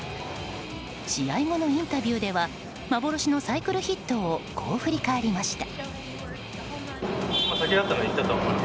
試合後のインタビューでは幻のサイクルヒットをこう振り返りました。